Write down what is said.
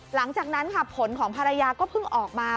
หลังจากนั้นค่ะผลของภรรยาก็เพิ่งออกมา